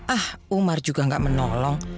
ah umar juga gak menolong